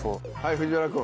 藤原君。